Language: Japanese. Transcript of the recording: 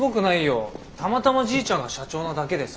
たまたまじいちゃんが社長なだけでさ。